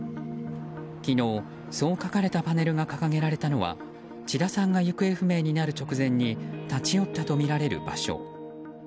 昨日、そう書かれたパネルが掲げられたのは千田さんが行方不明になる直前に立ち寄ったとみられる場所。